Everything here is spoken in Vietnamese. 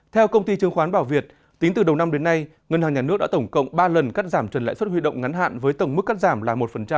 theo công ty chứng khoán bảo việt tính từ đầu năm đến nay ngân hàng nhà nước đã tổng cộng ba lần cắt giảm trần lãi suất huy động ngắn hạn với tổng mức cắt giảm là một